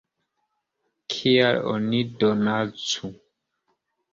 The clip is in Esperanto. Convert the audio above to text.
Kial oni donacu?